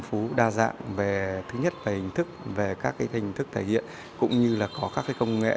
phú đa dạng về thứ nhất về hình thức về các hình thức thể hiện cũng như là có các công nghệ